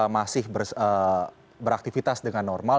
masih beraktivitas dengan normal